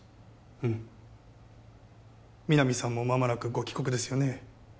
うん皆実さんも間もなくご帰国ですよね？